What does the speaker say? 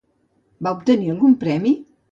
Va obtenir algun premi?